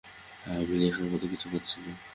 আমি লেখার মতো কিছু পাচ্ছি না।